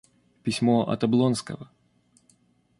Письмо от Облонского.